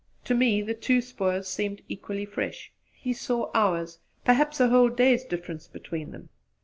To me the two spoors seemed equally fresh; he saw hours' perhaps a whole day's difference between them.